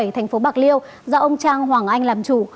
thành phố bạc liêu do ông trang hoàng anh làm chủ